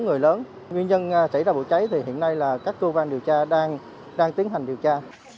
người lớn nguyên nhân xảy ra vụ cháy thì hiện nay là các cơ quan điều tra đang tiến hành điều tra